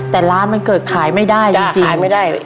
แต่ร้านมันเกิดขายไม่ได้จริงขายไม่ได้